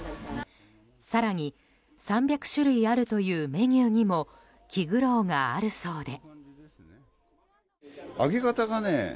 更に３００種類あるというメニューにも気苦労があるそうで。